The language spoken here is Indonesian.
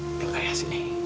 blok ayah sini